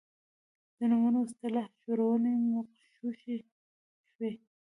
د نومونې او اصطلاح جوړونې مغشوشوي.